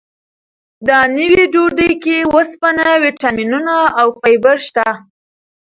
دا نوې ډوډۍ کې اوسپنه، ویټامینونه او فایبر شته.